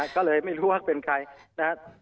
ก็เลยไม่รู้ว่าเป็นใคร